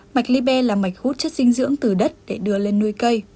mạch ly bè là mạch hút chất dinh dưỡng từ đất để đưa lên nuôi cây